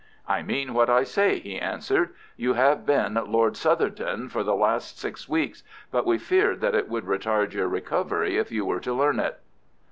"I mean what I say," he answered. "You have been Lord Southerton for the last six weeks, but we feared that it would retard your recovery if you were to learn it."